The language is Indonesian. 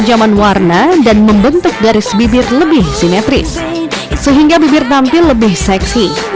kejaman warna dan membentuk garis bibir lebih simetris sehingga bibir tampil lebih seksi